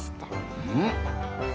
うん。